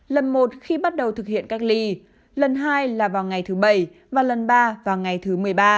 lần một khi bắt đầu thực hiện cách ly lần hai là vào ngày thứ bảy và lần ba vào ngày thứ một mươi ba